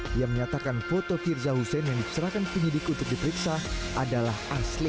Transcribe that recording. dia menyatakan foto firza husein yang diserahkan penyidik untuk diperiksa adalah asli